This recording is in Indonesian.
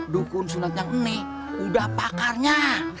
dukun sunatnya ini udah pakarnya